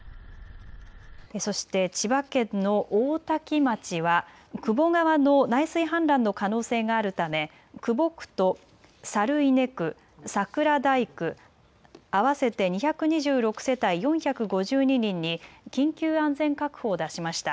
そして千葉県の大多喜町は久保川の内水氾濫の可能性があるため久保区と猿稲区、桜台区、合わせて２２６世帯４５２人に緊急安全確保を出しました。